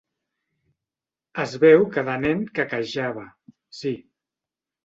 Es veu que de nen quequejava, sí.